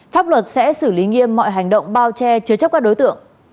pháp luật sẽ xử lý nghiêm mọi hành động bao che chứa chấp các đối tượng